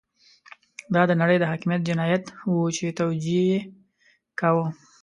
دا د نړۍ د حاکميت جنايت وو چې توجیه يې کاوه.